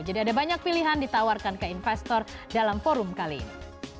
jadi ada banyak pilihan ditawarkan ke investor dalam forum kali ini